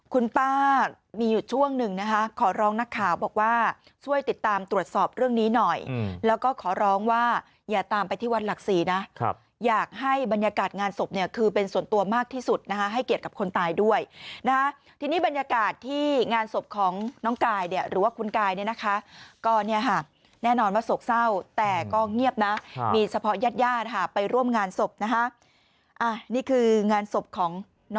คุณป้ามีอยู่ช่วงหนึ่งนะฮะขอร้องนักข่าวบอกว่าช่วยติดตามตรวจสอบเรื่องนี้หน่อยแล้วก็ขอร้องว่าอย่าตามไปที่วันหลักศรีนะครับอยากให้บรรยากาศงานศพเนี่ยคือเป็นส่วนตัวมากที่สุดนะฮะให้เกียรติกับคนตายด้วยนะที่นี่บรรยากาศที่งานศพของน้องกายเนี่ยหรือว่าคุณกายเนี่ยนะคะก็เนี่ยฮะแน่นอน